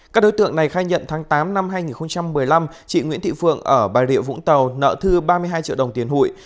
các đối tượng này khai nhận tháng tám năm hai nghìn một mươi năm chị nguyễn thị phượng ở bà rịa vũng tàu nợ thư ba mươi hai triệu đồng tiền hụi